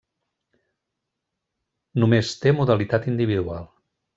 Només té modalitat individual.